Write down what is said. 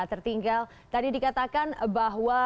tertinggal tadi dikatakan bahwa